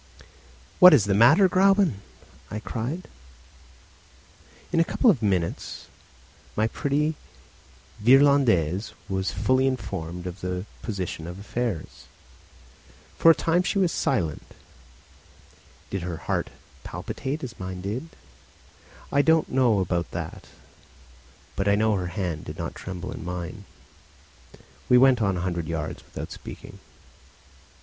"What is the matter, Gräuben?" I cried. In a couple of minutes my pretty Virlandaise was fully informed of the position of affairs. For a time she was silent. Did her heart palpitate as mine did? I don't know about that, but I know that her hand did not tremble in mine. We went on a hundred yards without speaking.